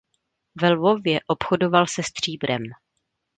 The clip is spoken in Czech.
Ve Lvově obchodoval se stříbrem.